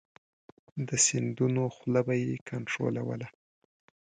د سیندونو خوله به یې کنترولوله.